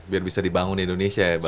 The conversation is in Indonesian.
biar bisa dibangun di indonesia ya bang ya